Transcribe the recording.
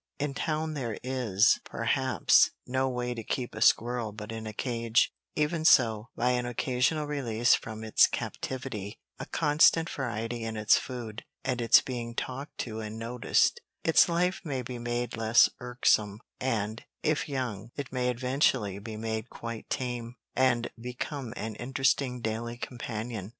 In town there is, perhaps, no way to keep a squirrel but in a cage; even so, by an occasional release from its captivity, a constant variety in its food, and its being talked to and noticed, its life may be made less irksome, and, if young, it may eventually be made quite tame, and become an interesting daily companion.